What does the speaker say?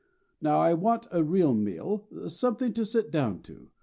Now, I want a real meal, something to sit down to.